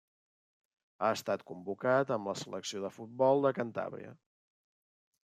Ha estat convocat amb la selecció de futbol de Cantàbria.